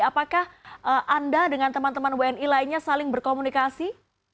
apakah anda dengan teman teman wni lainnya saling berkomunikasi